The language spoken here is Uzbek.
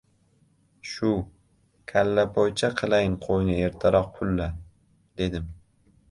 — Shu, kallapoycha qilayin qo‘yni ertaroq pulla, dedim...